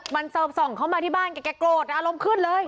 มันเสิร์ฟส่องเข้ามาที่บ้านแกโกรธอารมณ์ขึ้นเลย